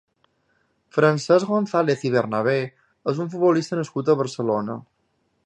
Francesc González i Bernabé és un futbolista nascut a Barcelona.